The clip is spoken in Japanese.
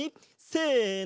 せの！